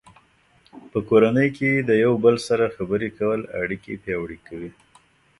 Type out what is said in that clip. په کورنۍ کې د یو بل سره خبرې کول اړیکې پیاوړې کوي.